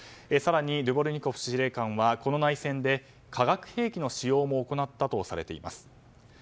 更にドゥボルニコフ司令官はこの内戦で化学兵器の使用も行ったとされています。